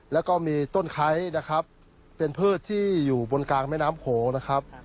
แล้วก็มีต้นไคร้นะครับเป็นพืชที่อยู่บนกลางแม่น้ำโขงนะครับ